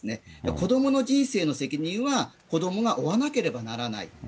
子どもの人生の責任は子どもが負わなければならない。